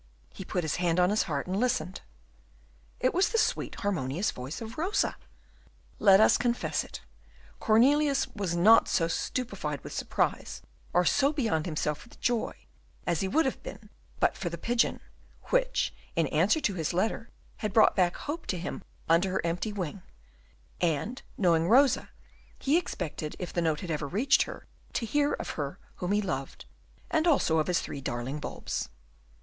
He put his hand on his heart, and listened. It was the sweet harmonious voice of Rosa. Let us confess it, Cornelius was not so stupefied with surprise, or so beyond himself with joy, as he would have been but for the pigeon, which, in answer to his letter, had brought back hope to him under her empty wing; and, knowing Rosa, he expected, if the note had ever reached her, to hear of her whom he loved, and also of his three darling bulbs.